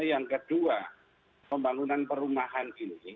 yang kedua pembangunan perumahan ini